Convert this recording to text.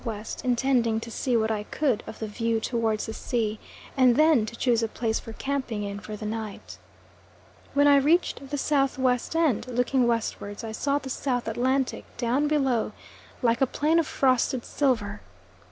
W., intending to see what I could of the view towards the sea, and then to choose a place for camping in for the night. When I reached the S.W. end, looking westwards I saw the South Atlantic down below, like a plain of frosted silver.